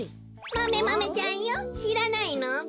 マメマメちゃんよしらないのべ？